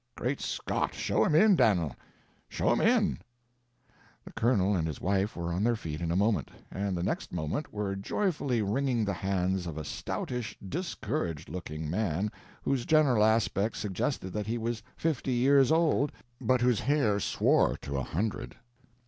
"Great Scott! Show him in, Dan'l, show him in." The Colonel and his wife were on their feet in a moment, and the next moment were joyfully wringing the hands of a stoutish, discouraged looking man whose general aspect suggested that he was fifty years old, but whose hair swore to a hundred.